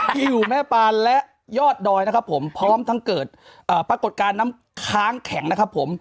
ที่อยู่แม่ปานและยอดดอยนะครับผมพร้อมทั้งเกิดปรากฏการณ์น้ำค้างแข็งนะครับผม